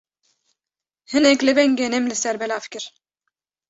Hinek libên genim li ser belav kir.